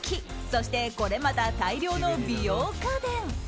そしてこれまた大量の美容家電。